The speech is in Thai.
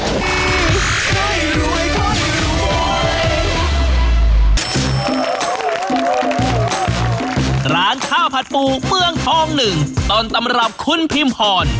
ร้านข้าวผัดปูเมืองทอง๑ต้นตำรับคุณพิมพร